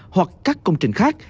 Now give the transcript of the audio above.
hoặc các công trình khác